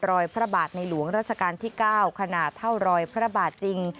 พระบาทในหลวงราชการที่๙ขนาดเท่ารอยพระบาทจริง